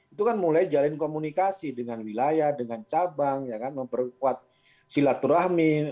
itu kan mulai jalin komunikasi dengan wilayah dengan cabang memperkuat silaturahmi